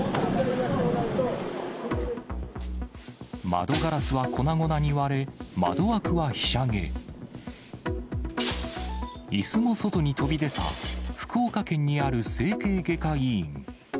窓ガラスは粉々に割れ、窓枠はひしゃげ、いすも外に飛び出た、福岡県にある整形外科医院。